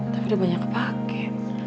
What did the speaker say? tapi udah banyak kepake